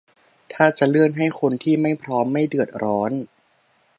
ถ้าจะเลื่อนให้คนที่ไม่พร้อมไม่เดือดร้อน